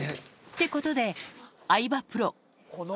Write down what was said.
ってことで、相葉プロ。